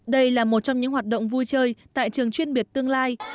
đây là một trong những hoạt động vui chơi tại trường chuyên biệt tương lai